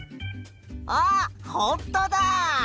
あっほんとだ！